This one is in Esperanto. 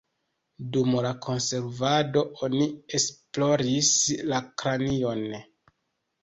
Dum la konservado oni esploris la kranion.